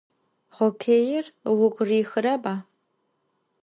Xokkêir vugu rihıreba?